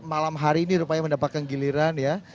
malam hari ini rupanya mendapatkan giliran ya